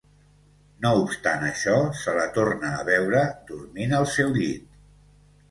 No obstant això, se la torna a veure dormint al seu llit.